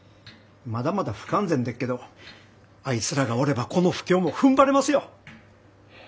まだまだ不完全でっけどあいつらがおればこの不況もふんばれますよ。